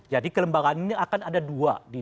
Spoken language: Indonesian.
jadi kekelembagaan ini akan ada dua